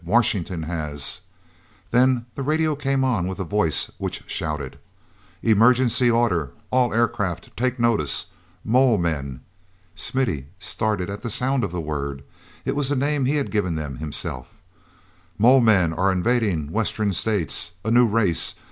"Washington has—" Then the radio came on with a voice which shouted: "Emergency order. All aircraft take notice. Mole men"—Smithy started at the sound of the word; it was the name he had given them himself—"Mole men are invading Western states. A new race.